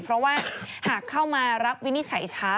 เพราะว่าหากเข้ามารับวินิจฉัยช้า